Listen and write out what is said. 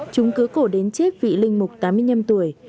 chúng cứ cổ đến chết vị linh mục tám mươi năm tuổi